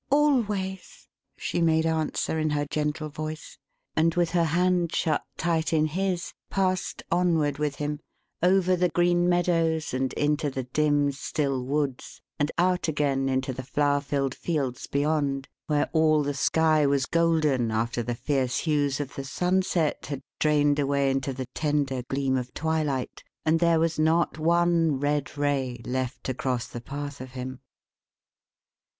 "Always!" she made answer in her gentle voice; and with her hand shut tight in his, passed onward with him over the green meadows and into the dim, still woods, and out again into the flower filled fields beyond, where all the sky was golden after the fierce hues of the sunset had drained away into the tender gleam of twilight, and there was not one red ray left to cross the path of him.